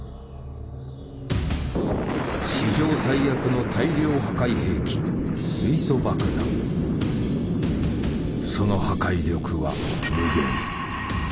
史上最悪の大量破壊兵器その破壊力は無限。